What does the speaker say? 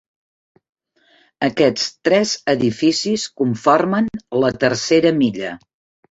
Aquests tres edificis conformen "La tercera milla".